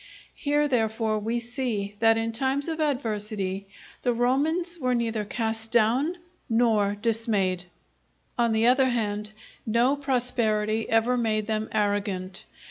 Here, therefore, we see that in times of adversity the Romans were neither cast down nor dismayed. On the other hand, no prosperity ever made them arrogant.